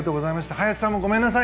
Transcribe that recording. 林さんも、ごめんなさい。